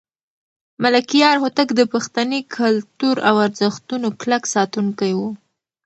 ملکیار هوتک د پښتني کلتور او ارزښتونو کلک ساتونکی و.